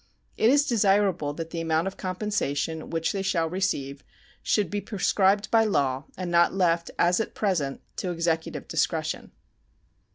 It is desirable that the amount of compensation which they shall receive should be prescribed by law, and not left, as at present, to Executive discretion.